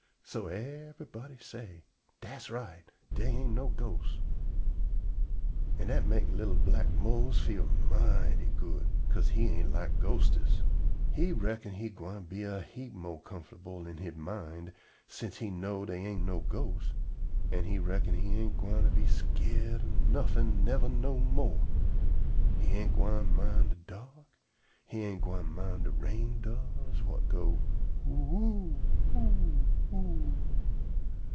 So yever'body say: "Das right; dey ain't no ghosts." An' dat mek li'l black Mose feel mighty good, 'ca'se he ain' lek ghostes. He reckon he gwine be a heap mo' comfortable in he mind sence he know dey ain't no ghosts, an' he reckon he ain' gwine be skeered of nuffin' never no more. He ain't gwine min' de dark, an' he ain't gwine min' de rain doves whut go, "Ooo oo o o o!"